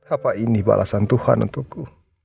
apa ini balasan tuhan untukku